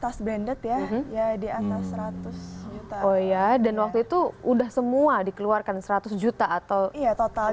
tas branded ya ya di atas seratus juta oh ya dan waktu itu udah semua dikeluarkan seratus juta atau iya total